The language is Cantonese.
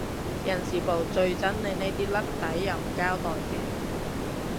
人事部最憎你呢啲甩底又唔交代嘅